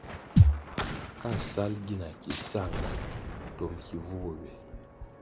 Ka sal gina ki sanga, twom ki vu bo ywe.